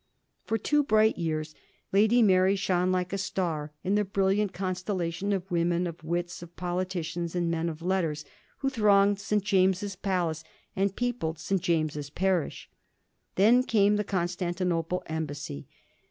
For two bright years Lady Mary shone like a star in the brilliant constellation of women, of wits, of politicians, and men of letters, who thronged St. James's Palace and peopled St. James's parish. Then came the Constantinople embassy.